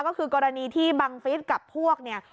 ก็คือกรณีที่บังฟิศกับพวกเนี่ย